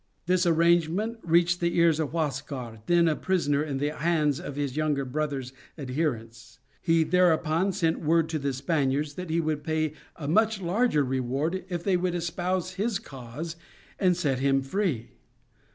This arrangement reached the ears of Huascar, then a prisoner in the hands of his younger brother's adherents; he thereupon sent word to the Spaniards that he would pay a much larger reward if they would espouse his cause and set him free.